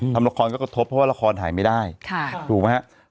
ทำละครก็กระทบเพราะว่าละครหายไม่ได้ถูกไหมครับ